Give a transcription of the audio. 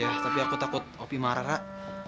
ya tapi aku takut opi marah kak